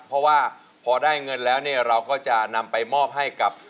เพราะว่าพอได้เงินแล้วเนี่ยเราก็จะนำไปมอบให้กับ